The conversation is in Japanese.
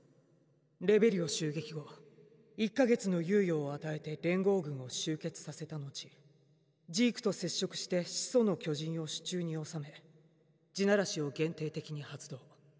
レベリオ襲撃後１か月の猶予を与えて連合軍を集結させた後ジークと接触して始祖の巨人を手中に収め「地鳴らし」を限定的に発動。